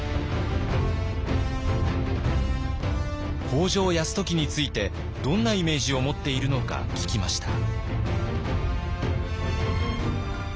北条泰時についてどんなイメージを持っているのか聞きました。